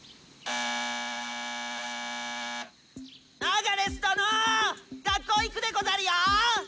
アガレス殿学校行くでござるよぉ！